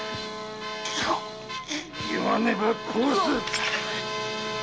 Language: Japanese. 言わねば殺す！